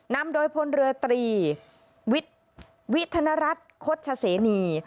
นำโดยพลเรือตรีวิธนรัฐโฆษเสนี